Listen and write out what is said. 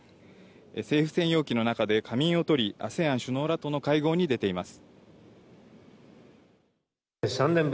政府専用機の中で仮眠をとりＡＳＥＡＮ首脳らとの会合に出ています。